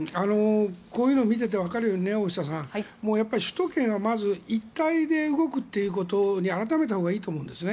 こういうのを見ていてわかるように首都圏はまず一体で動くということに改めたほうがいいと思うんですね。